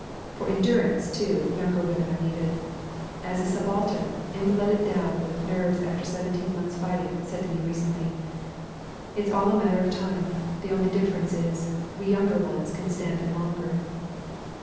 For endurance, too, younger women are needed. As a subaltern, invalided down with nerves after seventeen months' fighting, said to me recently: "It's all a matter of time the only difference is, we younger ones can stand it longer."